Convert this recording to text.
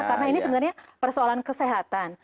karena ini sebenarnya persoalan kesehatan